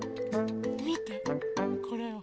みてこれを。